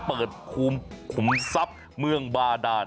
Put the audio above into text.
เปิดขุมซับเมืองบาดาล